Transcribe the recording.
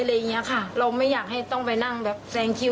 อะไรอย่างเงี้ยค่ะเราไม่อยากให้ต้องไปนั่งแบบแซงคิว